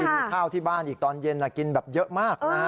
กินข้าวที่บ้านอีกตอนเย็นกินเยอะมาก